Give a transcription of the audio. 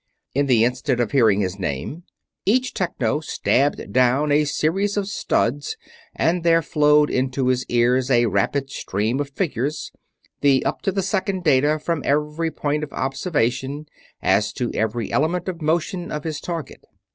In the instant of hearing his name each Techno stabbed down a series of studs and there flowed into his ears a rapid stream of figures the up to the second data from every point of observation as to every element of motion of his target.